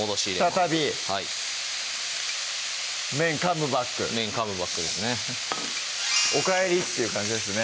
再びはい麺カムバック麺カムバックですね「おかえり！」って感じですね